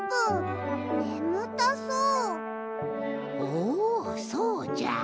おおそうじゃ。